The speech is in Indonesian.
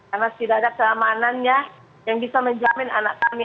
karena tidak ada keamanannya yang bisa menjamin anak kami